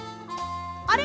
あれ？